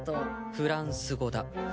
フランス語だ。